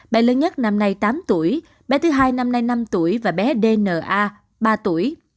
bé lớn nhất năm nay tám tuổi bé thứ hai năm nay năm tuổi và bé d n a ba tuổi